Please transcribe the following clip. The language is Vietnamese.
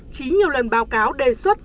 chí nhiều lần báo cáo đề xuất